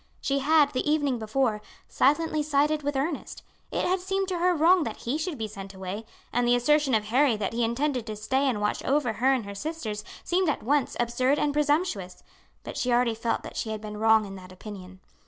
She had, the evening before, silently sided with Ernest. It had seemed to her wrong that he should be sent away, and the assertion of Harry that he intended to stay and watch over her and her sisters seemed at once absurd and presumptuous; but she already felt that she had been wrong in that opinion.